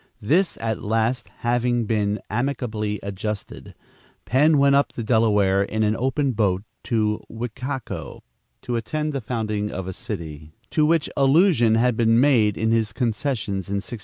This at last having been amicably adjusted, Penn went up the Delaware in an open boat to Wicaco, to attend the founding of a city, to which allusion had been made in his concessions in 1681.